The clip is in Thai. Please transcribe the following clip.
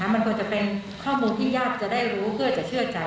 มันควรจะเป็นข้อมูลที่ญาติจะได้รู้เพื่อจะเชื่อใจ